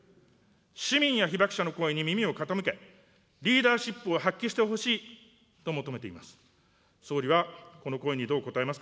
市民や被爆者の声に耳を傾け、リーダーシップを発揮してほしいと求めています。